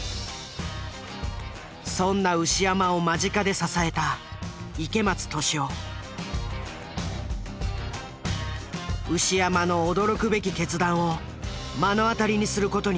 そんな牛山を間近で支えた牛山の驚くべき決断を目の当たりにする事になる。